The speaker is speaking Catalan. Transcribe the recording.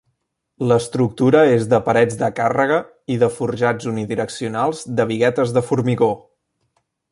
L'estructura és de parets de càrrega i de forjats unidireccionals de biguetes de formigó.